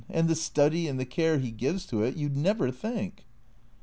And the study and the care 'e gives to it you 'd never think."